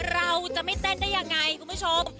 เราจะไม่เต้นได้ยังไงคุณผู้ชม